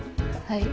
はい。